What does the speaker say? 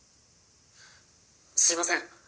すいません。